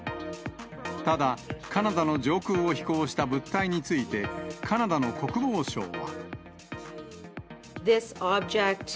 ただ、カナダの上空を飛行した物体について、カナダの国防相は。